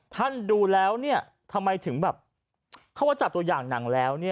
ท่านดูแล้วทำไมถึงแบบเขาว่าจับตัวอย่างหนังแล้ว